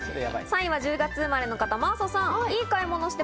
３位は１０月生まれの人です、真麻さん。